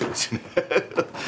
ハハハッ。